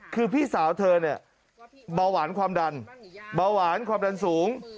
คือพี่สาวเธอเนี่ยเบาหวานความดันเบาหวานความดันสูง